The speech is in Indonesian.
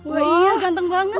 wah ganteng banget